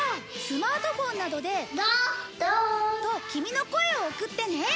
スマートフォンなどで。とキミの声を送ってね。